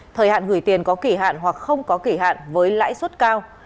thời hạn gửi tiền có kỷ hạn hoặc không có kỷ hạn với lãi suất cao